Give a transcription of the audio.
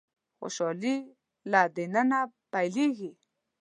خوشالي له د ننه پيلېږي.